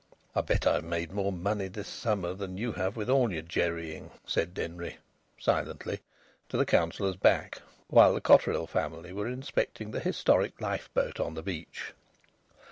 "I bet I've made more money this summer than you have with all your jerrying!" said Denry silently to the Councillor's back while the Cotterill family were inspecting the historic lifeboat on the beach.